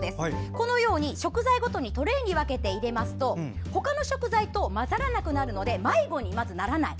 このように、食材ごとにトレーに分けて入れますと他の食材と混ざらなくなり迷子にまずならない。